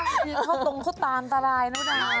พี่เข้าตรงเข้าตามตรายนะครับ